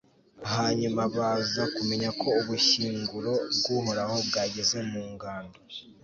hanyuma baza kumenya ko ubushyinguro bw'uhoraho bwageze mu ngando